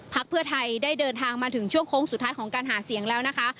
เพื่อไทยได้เดินทางมาถึงช่วงโค้งสุดท้ายของการหาเสียงแล้วนะคะ